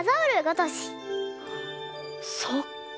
そっか。